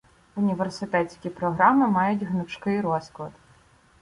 університетські програми мають гнучкий розклад